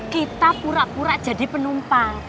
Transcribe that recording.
kita pura pura jadi penumpang